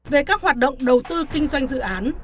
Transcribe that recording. về các hoạt động đầu tư kinh doanh dự án